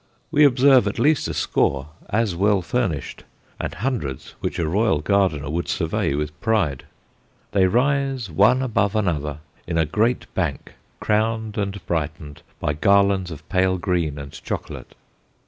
We observe at least a score as well furnished, and hundreds which a royal gardener would survey with pride. They rise one above another in a great bank, crowned and brightened by garlands of pale green and chocolate.